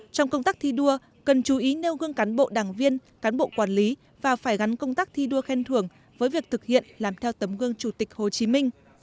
trong công tác thi đua cần chú ý nêu gương cán bộ đảng viên cán bộ quản lý và phải gắn công tác thi đua khen thưởng với việc thực hiện làm theo tấm gương chủ tịch hồ chí minh